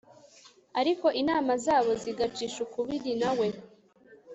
ariko inama zabo zigacisha ukubiri na we